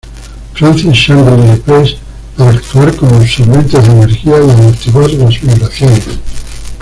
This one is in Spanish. Francis Shangri-La Place para actuar como absorbentes de energía y amortiguar las vibraciones.